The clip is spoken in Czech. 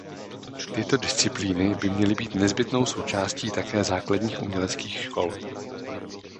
Tyto disciplíny by měly být nezbytnou součástí také základních uměleckých škol.